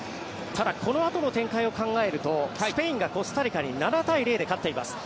ただ、このあとの展開を考えるとスペインがコスタリカに７対０で勝っています。